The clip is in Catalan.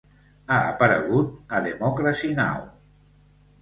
Ha aparegut a Democracy Now!